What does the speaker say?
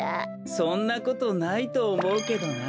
そんなことないとおもうけどな。